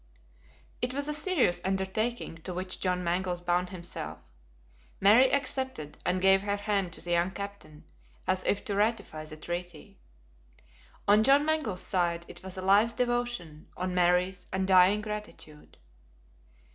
It was a serious undertaking to which John Mangles bound himself; Mary accepted, and gave her hand to the young captain, as if to ratify the treaty. On John Mangles' side it was a life's devotion; on Mary's undying gratitude.